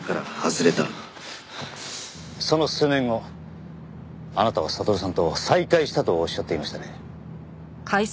その数年後あなたは悟さんと再会したとおっしゃっていましたね。